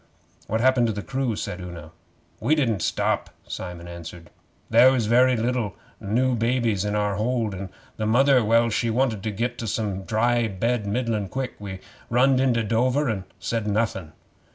'What happened to the crew?' said Una. 'We didn't stop,' Simon answered. 'There was a very liddle new baby in our hold, and the mother she wanted to get to some dry bed middlin' quick. We runned into Dover, and said nothing.